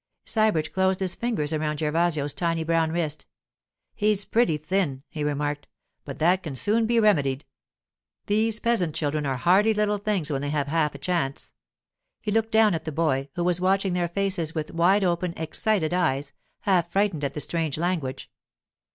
Sybert closed his fingers around Gervasio's tiny brown wrist. 'He's pretty thin,' he remarked; 'but that can soon be remedied. These peasant children are hardy little things when they have half a chance.' He looked down at the boy, who was watching their faces with wide open, excited eyes, half frightened at the strange language.